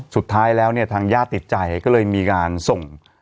สุดท้ายแล้วเนี่ยทางญาติติดใจก็เลยมีการส่ง